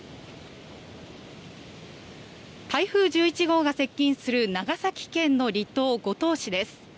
台風１１号が接近する長崎県の離島、五島市です。